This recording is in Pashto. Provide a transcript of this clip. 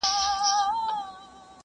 همکاري د ټولني د هر وګړي اخلاقي دنده ده.